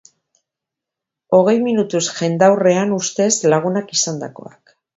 Hogei minutuz jendaurrean ustez lagunak izandakoak.